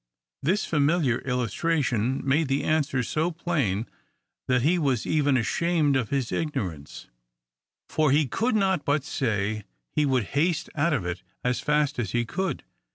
This familiar illustration made the answer so plain, that he was even ashamed of his igno rance ; for he could not but say, he would haste out of it as fast as he could.